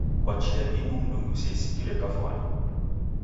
Kwa chia imu mndungi useisikire kafwani.